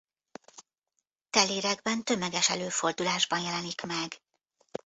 Telérekben tömeges előfordulásban jelenik meg.